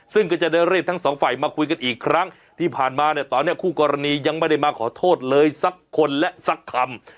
ซึ่งก็จะได้เรียกทั้งสองฝ่ายมาคุยกันอีกครั้งที่ผ่านมาเนี่ยตอนนี้คู่กรณียังไม่ได้มาขอโทษเลยสักคนและสักคำ